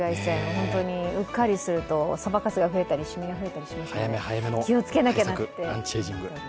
本当にうっかりすると、そばかすが増えたり、シミが増えたりしますので、気をつけなきゃなって。